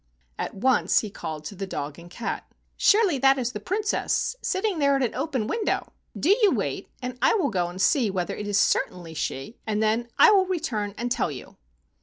At once he called to the dog and cat, " Surely that is the Princess sitting there at an open window. Do you wait and I will go and see whether it is certainly she, and then I will re¬ turn and tell you."